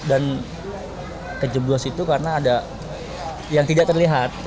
dan terjeblos itu karena ada yang tidak terlihat